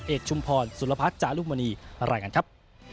เอกชุมพรสุรพักษณ์จารุมณีมาลายกันครับ